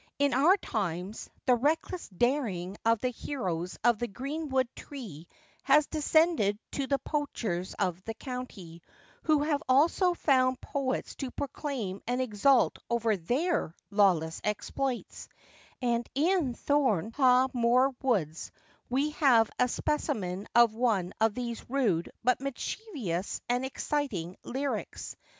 In our times the reckless daring of the heroes of the 'greenwood tree' has descended to the poachers of the county, who have also found poets to proclaim and exult over their lawless exploits; and in Thornehagh Moor Woods we have a specimen of one of these rude, but mischievous and exciting lyrics.